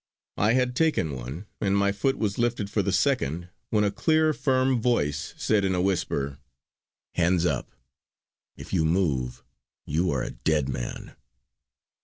I had taken one and my foot was lifted for the second when a clear firm voice said in a whisper: "Hands up! If you move you are a dead man!"